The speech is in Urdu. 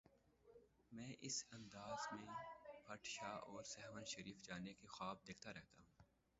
میں اس انداز میں بھٹ شاہ اور سہون شریف جانے کے خواب دیکھتا رہتا ہوں۔